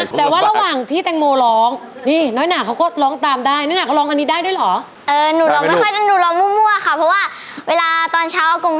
จะกล่าวถึงองค์สิงสัตตราออกจากพลาข่าวเดินดอง